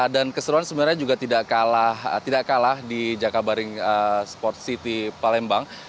dan keseruan sebenarnya juga tidak kalah di jakabaring sports city palembang